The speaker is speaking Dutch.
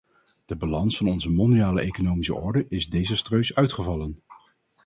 De balans van onze mondiale economische orde is desastreus uitgevallen.